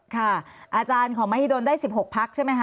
อาจารย์ของมหิดลได้๑๖พักใช่ไหมคะ